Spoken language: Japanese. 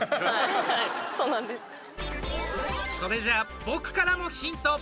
それじゃ僕からもヒント！